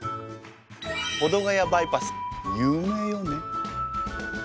保土ヶ谷バイパス有名よね。